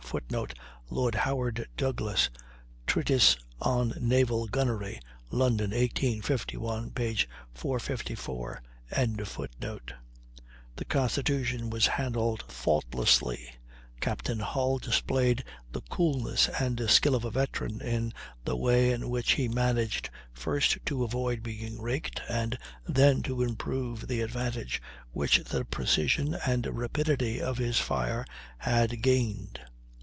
[Footnote: Lord Howard Douglass, "Treatise on Naval Gunnery" (London, 1851), p. 454.] The Constitution was handled faultlessly; Captain Hull displayed the coolness and skill of a veteran in the way in which he managed, first to avoid being raked, and then to improve the advantage which the precision and rapidity of his fire had gained.